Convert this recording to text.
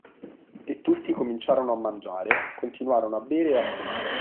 E tutti cominciarono a mangiare, continuarono a bere e a fumare.